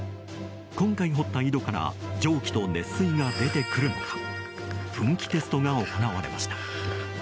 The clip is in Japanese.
今回、掘った井戸から蒸気と熱水が出てくるのか噴気テストが行われました。